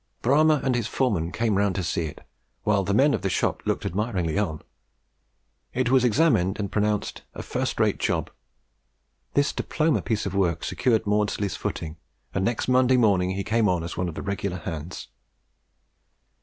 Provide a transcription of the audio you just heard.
Bramah and his foreman came round to see it, while the men of the shop looked admiringly on. It was examined and pronounced "a first rate job." This diploma piece of work secured Maudslay's footing, and next Monday morning he came on as one of the regular hands.